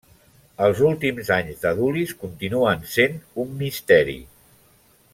Els últims anys d'Adulis continuen sent un misteri.